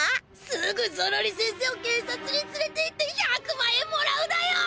すぐゾロリせんせを警察につれていって１００万円もらうだよ。